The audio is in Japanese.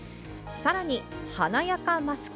さらに、華やかマスク。